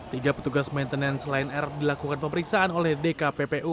tiga petugas maintenance lion air dilakukan pemeriksaan oleh dkppu